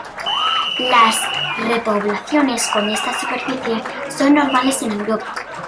Las repoblaciones con esta subespecie son normales en Europa.